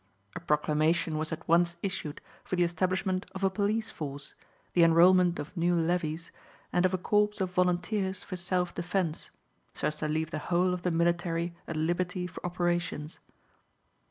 A proclamation was at once issued for the establishment of a police force, the enrolment of new levies and of a corps of volunteers for self defence, so as to leave the whole of the military at liberty for operations.